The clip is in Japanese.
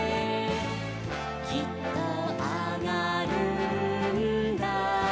「きっとあがるんだ」